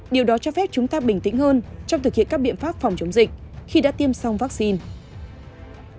điều đó cho phép chúng ta bình tĩnh hơn trong thực hiện các biện pháp phòng chống dịch khi đã tiêm xong vaccine